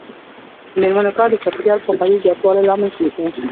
د میرمنو کار د چاپیریال پوهاوي زیاتولو لامل دی.